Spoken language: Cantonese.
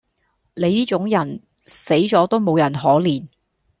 你呢種人死左都無人可憐